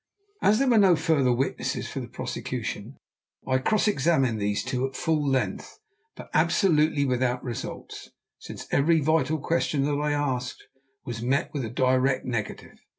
As there were no further witnesses for the prosecution I cross examined these two at full length, but absolutely without results, since every vital question that I asked was met with a direct negative.